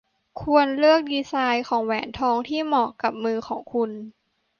ควรเลือกดีไซน์ของแหวนทองที่เหมาะกับมือของคุณ